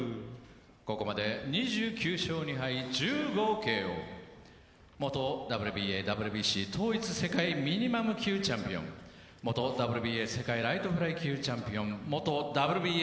ここまで２９勝２敗１５ＫＯ元ＷＢＡ・ＷＢＣ統一世界ミニマム級チャンピオン、元ＷＢＡ世界ライトフライ級チャンピオン、元ＷＢＡ